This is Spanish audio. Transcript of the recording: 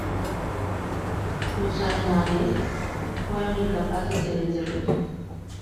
Los almohades fueron incapaces de vencerlos.